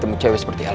dan lebih jauhnya